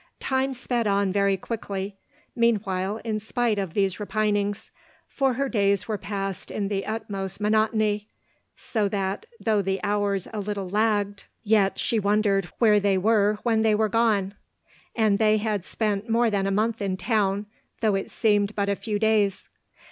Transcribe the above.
Time sped on very quickly, meanwhile, in spite of these repinings; for her days were past in the utmost monotony, — so that though the hours a little lagged, yet she wondered where they were when they were gone: and they had spent more than a month in town, though it seemed but a few days.